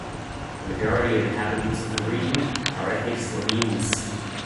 The majority of the inhabitants of the region are ethnic Slovenes.